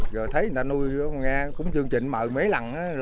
rồi thấy người ta nuôi xuống ngang cũng chương trình mở miếng ra đó